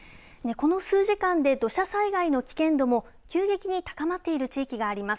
この数時間で土砂災害の危険度も急激に高まっている地域があります。